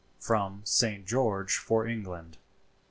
* *FROM "ST. GEORGE FOR ENGLAND."